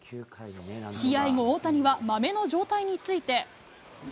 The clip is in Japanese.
試合後、大谷はまめの状態について。